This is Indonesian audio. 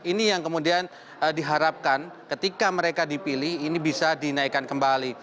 ini yang kemudian diharapkan ketika mereka dipilih ini bisa dinaikkan kembali